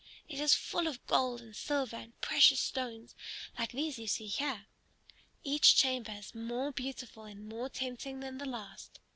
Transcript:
It is full of gold and silver and precious stones like these you see here. Each chamber is more beautiful and more tempting than the last.